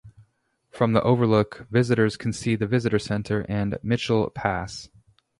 From the overlook, visitors can see the Visitor Center and Mitchell Pass.